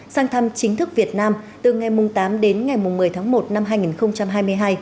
sang thăm chính thức việt nam từ ngày tám đến ngày một mươi tháng một năm hai nghìn hai mươi hai